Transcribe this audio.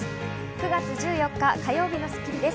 ９月１４日、火曜日の『スッキリ』です。